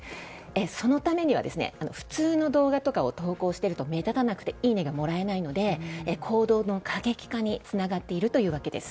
そのためには普通の動画を投稿していると目立たなくていいねがもらえないので行動の過激化につながっているというわけです。